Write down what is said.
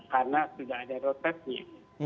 karena sudah ada roadmapnya